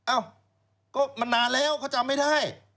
เอ้าก็มันนานแล้วเขาจำไม่ได้